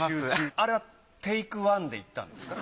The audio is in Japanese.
あれはテイク１でいったんですか？